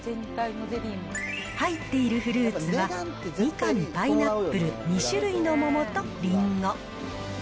入っているフルーツは、みかん、パイナップル、２種類の桃とりんご。